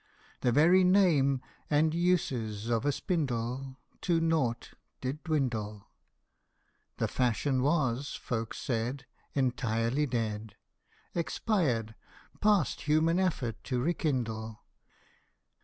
The very name and uses of a spindle To nought did dwindle ; The fashion was, folks said, Entirely dead, Expired past human effort to re kindle.